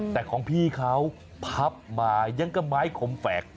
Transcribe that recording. แต่ของพี่เขาพับมายังก็ไม้คมแฝก